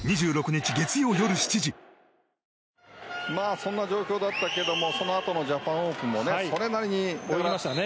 そんな状況だったけどもそのあとのジャパンオープンもそれなりに泳げましたね。